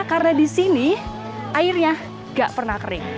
karena di sini airnya nggak pernah kering